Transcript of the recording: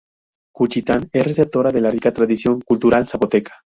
Juchitán es receptora de la rica tradición cultural zapoteca.